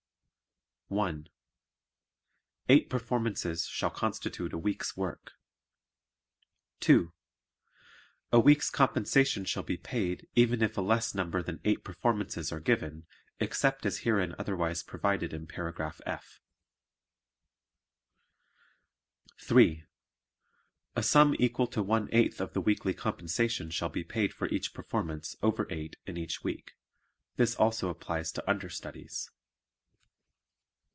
(1) Eight performances shall constitute a week's work. (2) A week's compensation shall be paid even if a less number than eight performances are given, except as herein otherwise provided in Paragraph F. (3) A sum equal to one eighth of the weekly compensation shall be paid for each performance over eight in each week. (This also applies to understudies.)